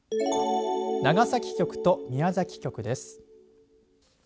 長崎局と宮崎局です。